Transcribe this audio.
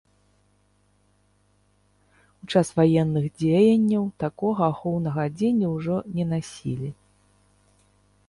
У час ваенных дзеянняў такога ахоўнага адзення ўжо не насілі.